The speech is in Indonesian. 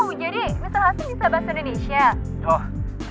oh jadi mr hudson bisa berbicara bahasa indonesia